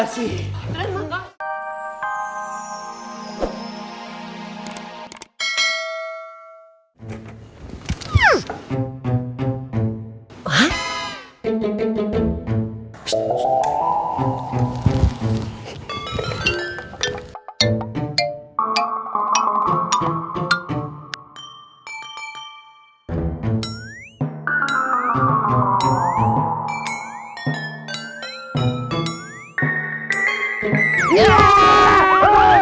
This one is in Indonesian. siapa yang mencari rinyong